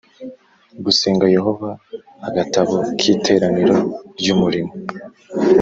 gusenga Yehova Agatabo k Iteraniro ry Umurimo